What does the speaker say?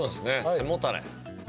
背もたれ。